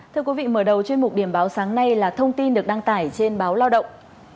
thưa quý vị mở đầu chuyên mục điểm báo sáng nay là thông tin được đăng tải trên báo lao động